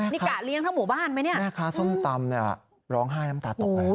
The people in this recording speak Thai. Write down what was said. นี่กะเลี้ยงทั้งหมู่บ้านไหมเนี่ยแม่ค้าส้มตำเนี่ยร้องไห้น้ำตาตกเลย